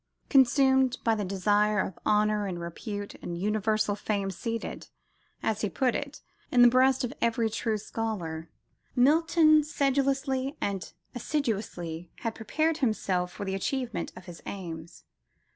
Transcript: Consumed by "the desire of honour and repute and universal fame, seated," as he put it, "in the breast of every true scholar," Milton sedulously and assiduously had prepared himself for the achievement of his aims.